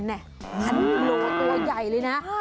อันนี้เหลือตัวใหญ่เลยนะ